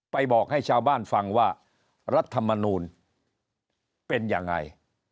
บอกให้ชาวบ้านฟังว่ารัฐมนูลเป็นยังไง